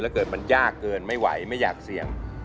เกิดมันยากเกินไม่ไหวไม่อยากเสี่ยง